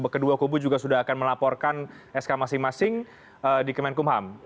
kedua kubu juga sudah akan melaporkan sk masing masing di kemenkumham